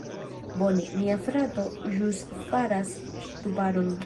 Bone, mia frato ĵus faras ŝtuparon.